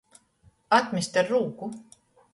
Atmest ar rūku.